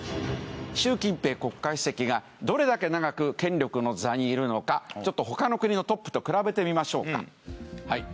習近平国家主席がどれだけ長く権力の座にいるのかちょっと他の国のトップと比べてみましょうか。